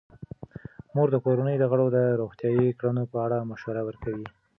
مور د کورنۍ غړو ته د روغتیايي کړنو په اړه مشوره ورکوي.